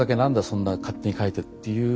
そんな勝手に書いて」っていう